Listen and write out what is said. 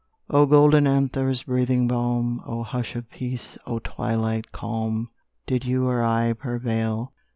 O golden anthers, breathing balm, O hush of peace, O twilight calm, Did you or I prevail?